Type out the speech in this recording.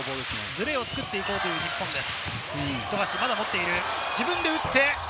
ズレを作っていこうという日本です。